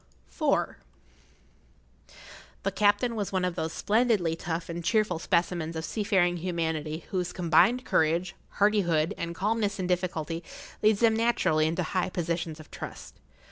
[Pg 57] IV. The captain was one of those splendidly tough and cheerful specimens of seafaring humanity whose combined courage, hardihood, and calmness in difficulty leads them naturally into high positions of trust.